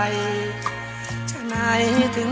โอเค